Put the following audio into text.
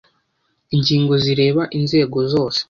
Ingingo zireba inzego zose